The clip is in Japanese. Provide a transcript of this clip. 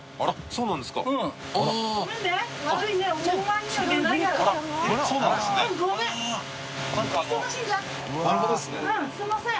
・うんすいません。